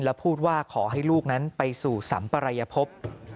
และพูดว่าขอให้ลูกนั้นไปสู่สัมปรายภพ